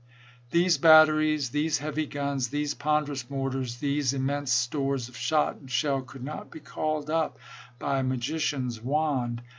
These batteries, these heavy guns, these ponderous mortars, these immense stores of shot and shell, could not be called up by a magician's wand.